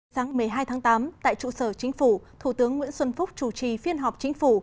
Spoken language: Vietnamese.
sáng một mươi hai tháng tám tại trụ sở chính phủ thủ tướng nguyễn xuân phúc chủ trì phiên họp chính phủ